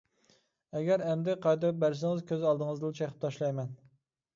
ئەگەر ئەمدى قايتۇرۇپ بەرسىڭىز كۆز ئالدىڭىزدىلا چېقىپ تاشلايمەن.